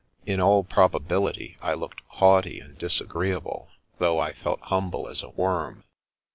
In all probability I looked haughty and disagreeable, though I felt humble as a worm.